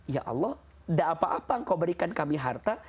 ya allah tidak apa apa engkau berikan kami harta